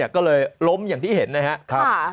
ก็เลยล้มอย่างที่เห็นนะครับ